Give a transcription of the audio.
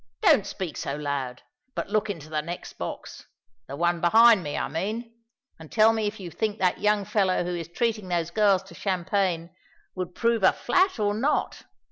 "Don't speak so loud; but look into the next box—the one behind me, I mean—and tell me if you think that young fellow who is treating those girls to champagne would prove a flat or not."